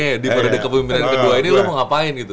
eh di periode kepemimpinan kedua ini lo mau ngapain gitu